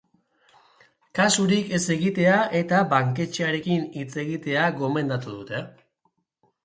Kasurik ez egitea eta banketxearekin hitz egitea gomendatu dute.